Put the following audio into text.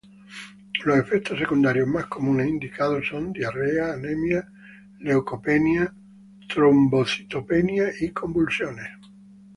Los efectos secundarios más comunes indicados son diarrea, anemia, leucopenia, trombocitopenia y convulsiones.